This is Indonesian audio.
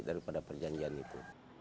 daripada perjanjian itu